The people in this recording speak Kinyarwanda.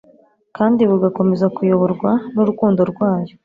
kandi bugakomeza kuyoborwa n'urukundo rwayo;